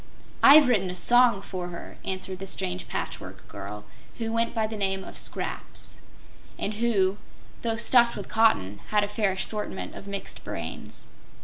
"I've written a song for her," answered the strange Patchwork Girl, who went by the name of "Scraps," and who, through stuffed with cotton, had a fair assortment of mixed brains.